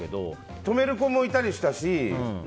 止める子もいたりしたし。